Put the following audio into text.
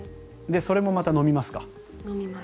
それもまた飲みますか？